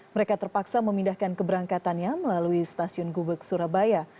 mereka terpaksa memindahkan keberangkatannya melalui stasiun gubek surabaya